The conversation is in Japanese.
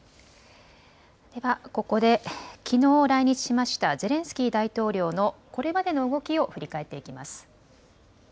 ではここできのう来日しましたゼレンスキー大統領のこれまでの動きを振り返っていきます。